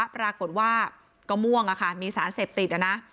ปรากฏว่ากระม่วงอะค่ะมีสารเสพติดอะน่ะ